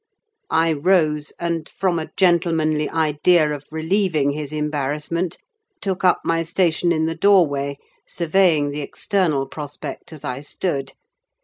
I rose, and, from a gentlemanly idea of relieving his embarrassment, took up my station in the doorway, surveying the external prospect as I stood.